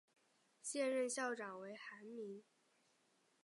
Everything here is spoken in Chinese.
现任校长为韩民。